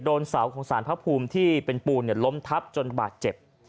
โดนเสาของสารพระภูมิที่เป็นปูนล้มทับจนบาดเจ็บ